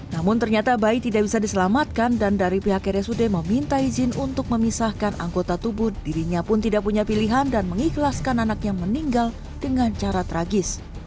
namun ternyata bayi tidak bisa diselamatkan dan dari pihak rsud meminta izin untuk memisahkan anggota tubuh dirinya pun tidak punya pilihan dan mengikhlaskan anaknya meninggal dengan cara tragis